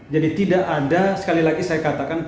jadi tidak ada sekali lagi saya katakan